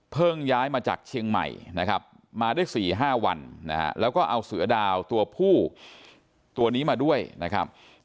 ย้ายมาจากเชียงใหม่นะครับมาได้๔๕วันนะฮะแล้วก็เอาเสือดาวตัวผู้ตัวนี้มาด้วยนะครับ